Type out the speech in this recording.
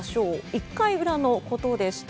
１回裏のことでした。